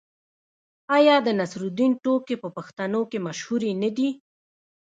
آیا د نصرالدین ټوکې په پښتنو کې مشهورې نه دي؟